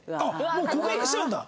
もう告白しちゃうんだ。